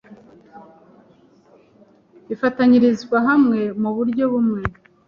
bifatanyirizwa hamwe mu buryo bumwe